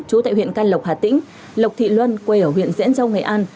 chú tại huyện canh lộc hà tĩnh lộc thị luân quê ở huyện diễn trong nghệ an